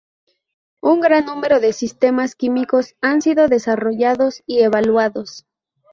Un gran número de sistemas químicos han sido desarrollados y evaluados.